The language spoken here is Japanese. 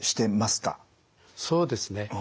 そうですね。